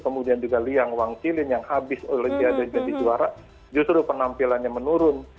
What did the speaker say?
kemudian juga liang wangchilin yang habis oleh dia jadi juara justru penampilannya menurun